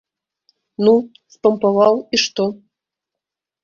Ну, спампаваў і што?